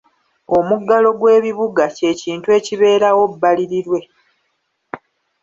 Omuggalo gw'ebibuga kye kintu ekibeerawo bbalirirwe.